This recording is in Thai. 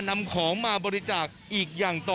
นำของมาบริจาคอีกอย่างต่อ